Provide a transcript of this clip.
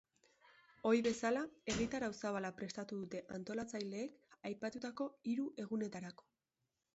Ohi bezala, egitarau zabala prestatu dute antolatzaileek aipatutako hiru egunetarako.